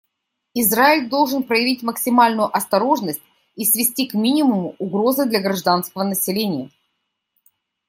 Израиль должен проявлять максимальную осторожность и свести к минимуму угрозы для гражданского населения.